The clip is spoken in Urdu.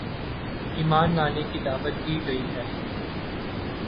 ایمان لانے کی دعوت دی گئی ہے